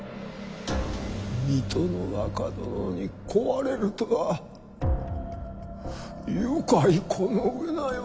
水戸の若殿に乞われるとは愉快この上ないわ。